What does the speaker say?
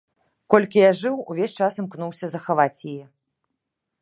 Колькі я жыў, увесь час імкнуўся захаваць яе.